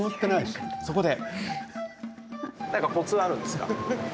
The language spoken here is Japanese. そこで。